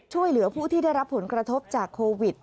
ช่วยเหลือผู้ที่ได้รับผลกระทบจากโควิด